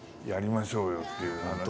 やりましょうよっていう話。